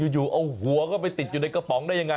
อยู่เอาหัวเข้าไปติดอยู่ในกระป๋องได้ยังไง